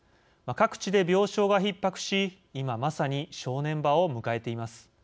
各地で病床がひっ迫し今まさに正念場を迎えています。